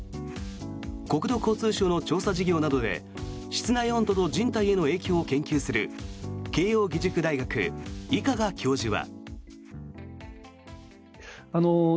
国土交通省の調査事業などで室内温度の人体への影響を研究する慶應義塾大学、伊香賀教授は。